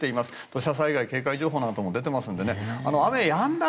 土砂災害警戒情報も出ていますので雨、やんだ